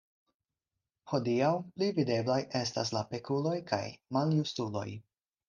Hodiaŭ, pli videblaj estas la pekuloj kaj maljustuloj.